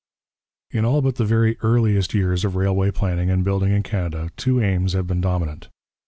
In all but the very earliest years of railway planning and building in Canada, two aims have been dominant.